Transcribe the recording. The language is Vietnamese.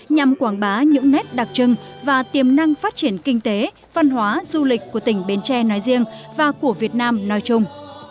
nhằm quảng bá những nét đặc trưng và tiềm năng phát triển kinh tế văn hóa du lịch của tỉnh bến tre nói riêng và của việt nam nói chung